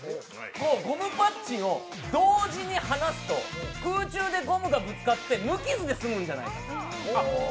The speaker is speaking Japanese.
ゴムパッチンを同時に離すと空中でゴムがぶつかって無傷で済むんじゃないかと。